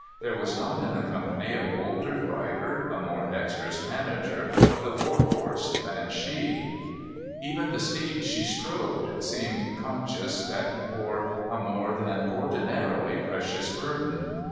There was not in the company a bolder rider, a more dexterous manager of the war horse than she. Even the steed she strode seemed conscious that he bore a more than ordinarily precious burden.